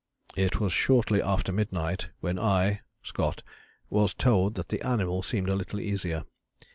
"It was shortly after midnight when I [Scott] was told that the animal seemed a little easier.